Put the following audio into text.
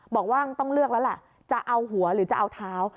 บอกว่าต้องเลือกแล้วแหละจะเอาหัวหรือจะเอาเท้า